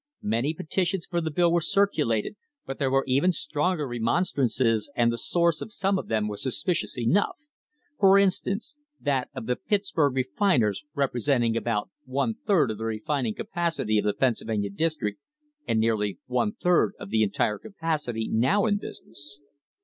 Many petitions for the bill were circulated, but there were even stronger remonstrances and the source of some of them was suspicious enough; for instance, that of the "Pittsburg refiners representing about one third of the refining capacity of the Pennsylvania district and nearly one third of the entire capacity now in business."